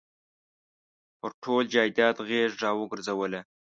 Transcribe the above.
پر ټول جایداد غېږ را ورګرځوله.